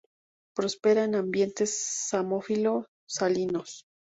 Prospera en ambientes samófilo-salinos.